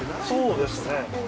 そうですね。